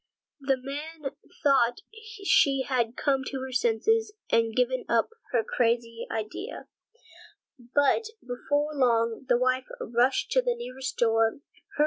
The man thought she had come to her senses and given up her crazy idea, but before long the wife rushed to the nearest door, hurriedly opened it, and ran out.